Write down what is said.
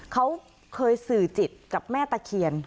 เขาเคยสื่อจิตกับแม่ตะเคียน